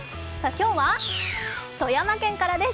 今日は富山県からです。